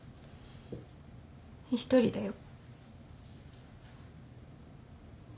一人だよ。